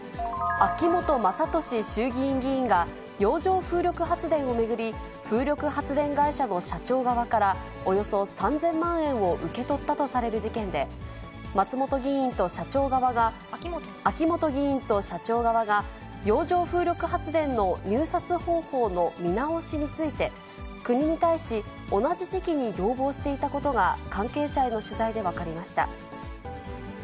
秋本真利衆議院議員が、洋上風力発電を巡り、風力発電会社の社長側から、およそ３０００万円を受け取ったとされる事件で、秋本議員と社長側が、洋上風力発電の入札方法の見直しについて、国に対し、同じ時期に要望していたことが、関係者への取材で分かりました。